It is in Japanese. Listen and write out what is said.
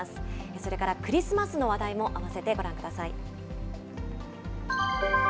それからクリスマスの話題も合わせてごらんください。